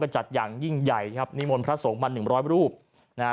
จัดอย่างยิ่งใหญ่ครับนิมนต์พระสงฆ์มาหนึ่งร้อยรูปนะฮะ